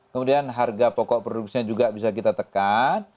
kemudian harga pokok produksinya juga bisa kita tekan